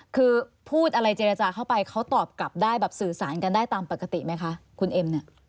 คือพูดอะไรเจรจาเข้าไปเขาตอบกลับได้แบบสื่อสารกันได้ตามปกติไหมคะคุณเอ็มเนี่ย